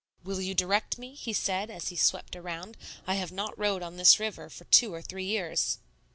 "Will you direct me?" he said, as he swept around. "I have not rowed on this river for two or three years."